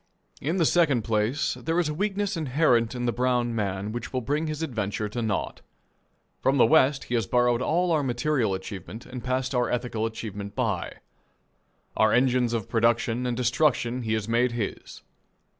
In the second place, there is a weakness inherent in the brown man which will bring his adventure to naught. From the West he has borrowed all our material achievement and passed our ethical achievement by. Our engines of production and destruction he has made his.